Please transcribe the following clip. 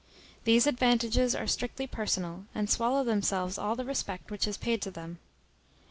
These advantages are strictly personal, and swallow themselves all the respect which is paid to them.